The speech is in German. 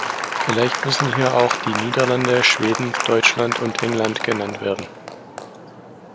Vielleicht müssen hier auch die Niederlande, Schweden, Deutschland und England genannt werden.